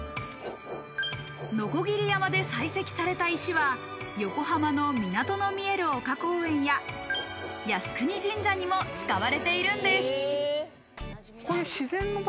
鋸山で採石された石は横浜の港の見える丘公園や靖国神社にも使われているんです。